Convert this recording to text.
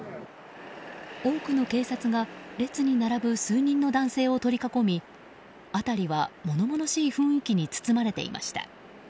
多くの警察が列に並ぶ数人の男性を取り囲み辺りは物々しい雰囲気に包まれていました。